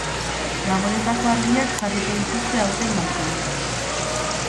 Gabonetako argiak jarriko dituzte aurten balkoian.